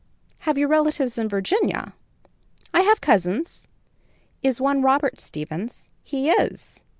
"Have you relatives in Virginia?" "I have cousins." "Is one Robert Stevens?" "He is."